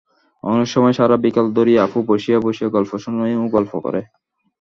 অনেক সময় সারা বিকাল ধরিয়া অপু বসিয়া বসিয়া গল্প শোনে ও গল্প করে।